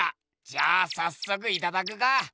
じゃあさっそくいただくか！